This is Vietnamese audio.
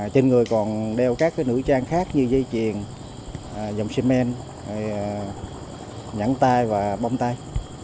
trên người còn đeo các nữ trang khác như dây triền dòng xe men nhắn tay và bông tay